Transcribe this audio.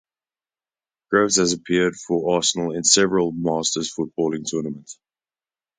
Groves has appeared for Arsenal in several Masters footballing tournaments.